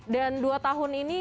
dan dua tahun ini